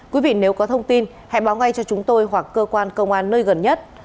quý vị nếu có thông tin hãy báo ngay cho chúng tôi hoặc cơ quan công an nơi gần nhất